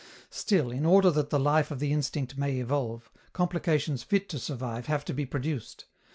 Still, in order that the life of the instinct may evolve, complications fit to survive have to be produced.